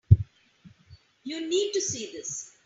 You need to see this.